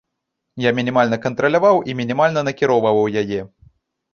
Я мінімальна кантраляваў і мінімальна накіроўваў яе.